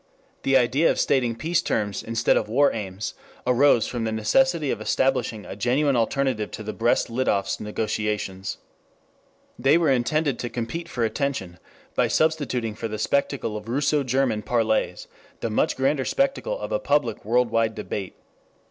The idea of stating "peace terms" instead of "war aims" arose from the necessity of establishing a genuine alternative to the Brest Litovsk negotiations. They were intended to compete for attention by substituting for the spectacle of Russo German parleys the much grander spectacle of a public world wide debate.